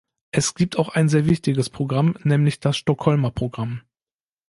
Es gib auch ein sehr wichtiges Programm, nämlich das Stockholmer Programm.